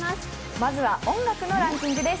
まずは音楽のランキングです。